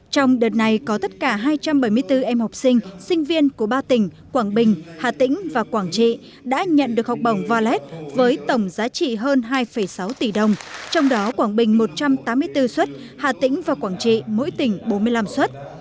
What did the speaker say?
trong đợt này có tất cả hai trăm bảy mươi bốn em học sinh sinh viên của ba tỉnh quảng bình hà tĩnh và quảng trị đã nhận được học bổng valet với tổng giá trị hơn hai sáu tỷ đồng trong đó quảng bình một trăm tám mươi bốn xuất hà tĩnh và quảng trị mỗi tỉnh bốn mươi năm xuất